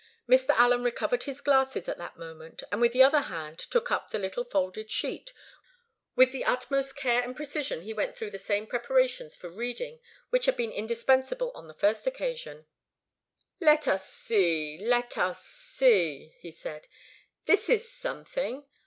Mr. Allen recovered his glasses at that moment, and with the other hand took up the little folded sheet. With the utmost care and precision he went through the same preparations for reading which had been indispensable on the first occasion. "Let us see, let us see," he said. "This is something.